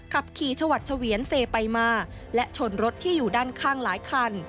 ขับขี่ชวัดเฉวียนเซไปมาและชนรถที่อยู่ด้านข้างหลายคัน